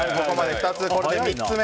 これで３つ目。